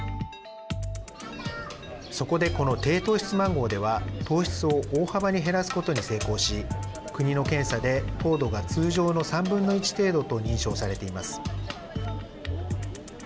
そこで、この低糖質マンゴーでは糖質を大幅に減らすことに成功し国の検査で糖度が通常の３分の１程度と認証されています。